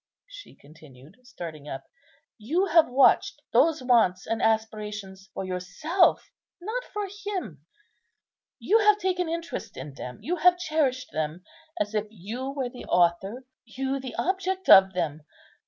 she continued, starting up, "you have watched those wants and aspirations for yourself, not for Him; you have taken interest in them, you have cherished them, as if you were the author, you the object of them.